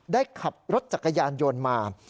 ขับรถจักรยานยนต์มา